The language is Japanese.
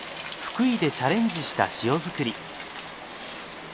福井でチャレンジした塩づくり。